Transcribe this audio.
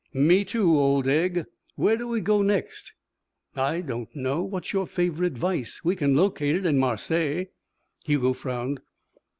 "Me, too, old egg. Where do we go next?" "I don't know. What's your favourite vice? We can locate it in Marseilles." Hugo frowned.